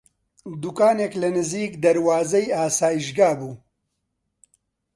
دووکانێک لە نزیک دەروازەی ئاسایشگا بوو